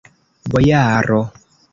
Bojaro!